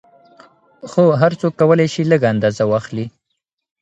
خو هر څوک کولای شي لږ اندازه واخلي.